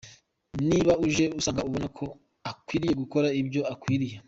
Niba aje agusanga ubone ko akwiriye gukora ibyo akwiriye.